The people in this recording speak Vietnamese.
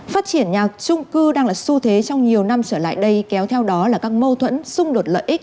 phát triển nhà trung cư đang là xu thế trong nhiều năm trở lại đây kéo theo đó là các mâu thuẫn xung đột lợi ích